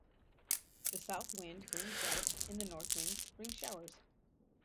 The south wind brings drought and the north wind brings showers.